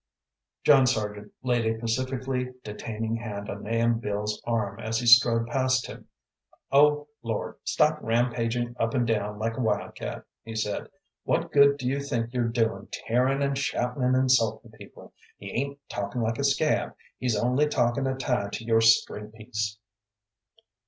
John Sargent laid a pacifically detaining hand on Nahum Beals's arm as he strode past him. "Oh, Lord, stop rampagin' up and down like a wildcat," he said. "What good do you think you're doin' tearin' and shoutin' and insultin' people? He ain't talkin' like a scab, he's only talkin' a tie to your string piece."